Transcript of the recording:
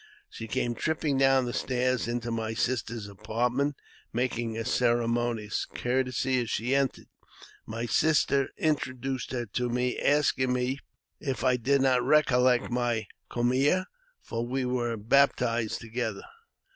She came tripping downstairs into my sister's apartment, making a ceremonious courtesy as she entered. My sister introduced her to me, asking me if I did not recollect my commere (for we were baptized together).